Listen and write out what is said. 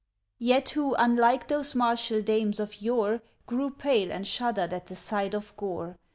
Yet who, unlike those martial dames of yore, Grew pale and shuddered at the sight of gore.